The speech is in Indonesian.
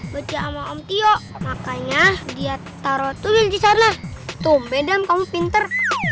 bekerja sama om tio makanya dia taruh tulisannya tuh beda kamu pinter